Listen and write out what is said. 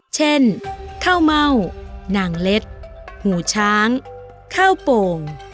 เช่นข้าวเม่านางเล็ดหูช้างข้าวโป่ง